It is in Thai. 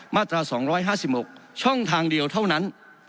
มาตราสองร้อยห้าสิบหกช่องทางเดียวเท่านั้น